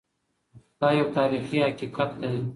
دا یو تاریخي حقیقت دی.